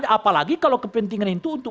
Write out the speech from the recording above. apalagi kalau kepentingan itu untuk